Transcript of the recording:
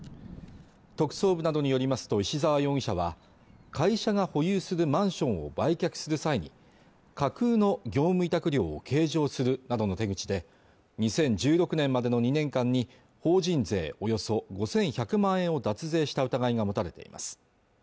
特捜部などによりますと石沢容疑者は会社が保有するマンションを売却する際に架空の業務委託料を計上するなどの手口で２０１６年までの２年間に法人税およそ５１００万円を脱税した疑いが持たれています